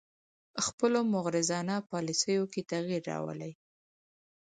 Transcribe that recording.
خپلو مغرضانه پالیسیو کې تغیر راولي